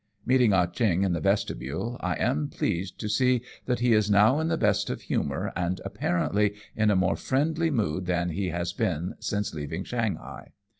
Meeting Ah Oheong in the vestibule, I am pleased to see that he is now in the best of humour, and apparently in a more friendly mood than he has been since leaving Shanghai.